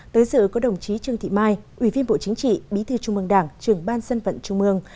tới dự có đồng chí trương thị mai ủy viên bộ chính trị bí thư trung ương đảng trường ban dân vận trung ương